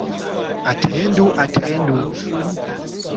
Atendu, atendu!